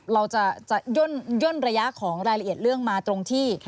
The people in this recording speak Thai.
เราจะย่นระยะของรายละเอียดเรื่องมาตรงที่